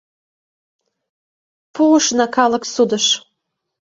Пуышна калык судыш.